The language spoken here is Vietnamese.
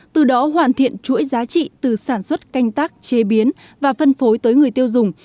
từ đó hoàn thiện chuỗi giá trị từ sản xuất canh tác chế biến và phân phối tới người tiêu dùng